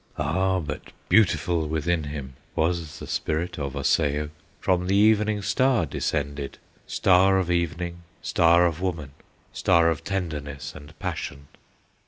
"Ah, but beautiful within him Was the spirit of Osseo, From the Evening Star descended, Star of Evening, Star of Woman, Star of tenderness and passion!